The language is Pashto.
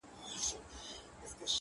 گـــډ وډ يـهـــوديـــان،